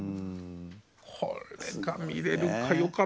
これが見れるか。